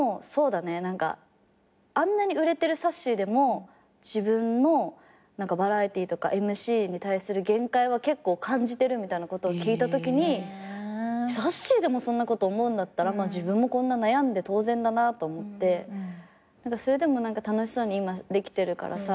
何かあんなに売れてるさっしーでも「自分のバラエティーとかＭＣに対する限界は結構感じてる」みたいなことを聞いたときにさっしーでもそんなこと思うんだったら自分もこんな悩んで当然だなと思ってそれでも何か楽しそうに今できてるからさ。